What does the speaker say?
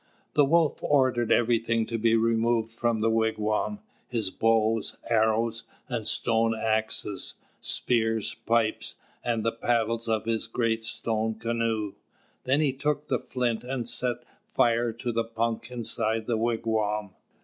The Wolf ordered everything to be removed from the wigwam, his bows, arrows, stone axes, spears, pipes, and the paddles of his great stone canoe, then he took the flint and set fire to the punk inside the wigwam.